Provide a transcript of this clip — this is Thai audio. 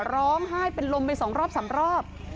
ร้องไห้เป็นลมไปสองรอบสามรอบ